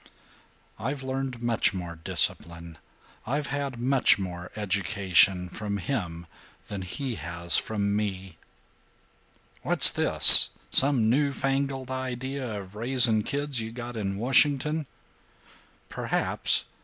"I've learned much more discipline, I've had much more education, from him than he has from me." "What's this? Some new fangled idea of raising kids you got in Washington?" "Perhaps.